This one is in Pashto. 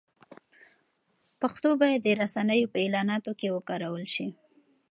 پښتو باید د رسنیو په اعلاناتو کې وکارول شي.